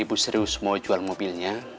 ibu serius mau jual mobilnya